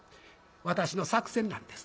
私の作戦なんです。